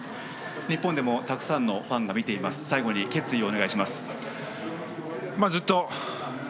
日本でもたくさんのファンが見ています、決意をお願いします。